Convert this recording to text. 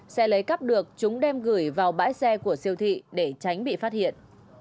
xe lấy cắp được chúng đem gửi vào bãi xe của siêu thị để tránh bị phát hiện